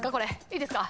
いいですか？